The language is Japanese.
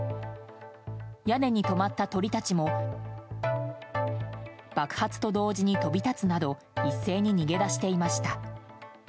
屋根に止まった鳥たちも爆発と同時に飛び立つなど一斉に逃げ出していました。